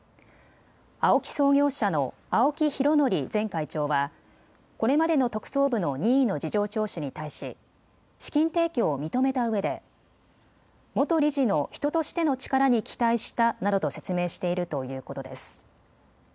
ＡＯＫＩ創業者の青木拡憲前会長はこれまでの特捜部の任意の事情聴取に対し資金提供を認めたうえで元理事の人としての力に期待したなどと説明しているということです。